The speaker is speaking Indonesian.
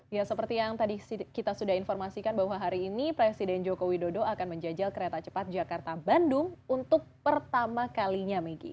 ya seperti yang tadi kita sudah informasikan bahwa hari ini presiden joko widodo akan menjajal kereta cepat jakarta bandung untuk pertama kalinya megi